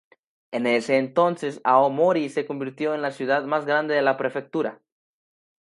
En ese entonces, Aomori se convirtió en la ciudad más grande de la prefectura.